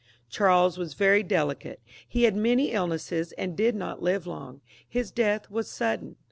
Charles was very delicate ; he had many illnesses, and did not live long. His death was quite sudden.